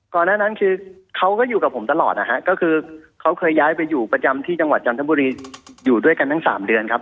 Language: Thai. หน้านั้นคือเขาก็อยู่กับผมตลอดนะฮะก็คือเขาเคยย้ายไปอยู่ประจำที่จังหวัดจันทบุรีอยู่ด้วยกันทั้งสามเดือนครับ